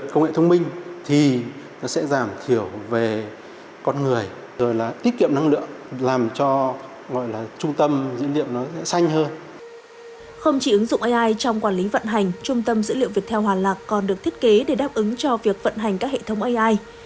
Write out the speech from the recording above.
không chỉ ứng dụng ai trong quản lý vận hành trung tâm dữ liệu viettel hòa lạc còn được thiết kế để đáp ứng cho việc vận hành các hệ thống ai